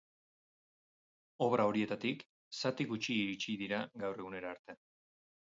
Obra horietatik zati gutxi iritsi dira gaur egunera arte.